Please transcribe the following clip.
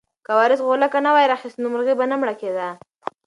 که وارث غولکه نه وای راخیستې نو مرغۍ به نه مړه کېده.